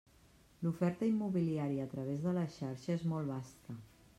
L'oferta immobiliària a través de la xarxa és molt vasta.